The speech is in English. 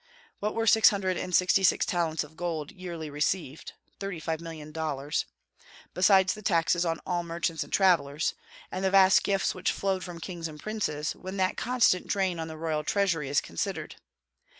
What were six hundred and sixty six talents of gold, yearly received (thirty five million dollars), besides the taxes on all merchants and travellers, and the vast gifts which flowed from kings and princes, when that constant drain on the royal treasury is considered!